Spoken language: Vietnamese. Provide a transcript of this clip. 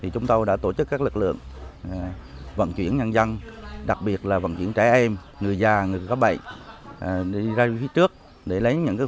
chúng tôi đã tổ chức các lực lượng vận chuyển nhân dân đặc biệt là vận chuyển trẻ em người già người gấp bậy